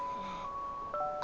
あ。